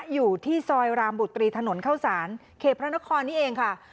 อยู่ที่ซอยรามบุตรีถนนเข้าสารเขตพระนครนี่เองค่ะ